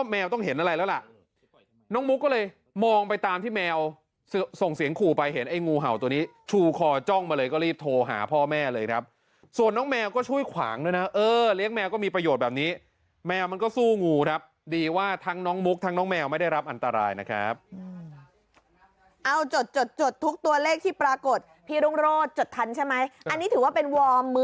แมวต้องเห็นอะไรแล้วล่ะน้องมุกก็เลยมองไปตามที่แมวส่งเสียงขู่ไปเห็นไอ้งูเห่าตัวนี้ชูคอจ้องมาเลยก็รีบโทรหาพ่อแม่เลยครับส่วนน้องแมวก็ช่วยขวางด้วยนะเออเลี้ยงแมวก็มีประโยชน์แบบนี้แมวมันก็สู้งูครับดีว่าทั้งน้องมุกทั้งน้องแมวไม่ได้รับอันตรายนะครับ